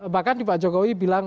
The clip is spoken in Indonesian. bahkan di pak jokowi bilang